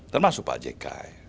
termasuk pak jk